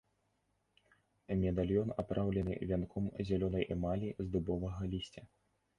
Медальён апраўлены вянком зялёнай эмалі з дубовага лісця.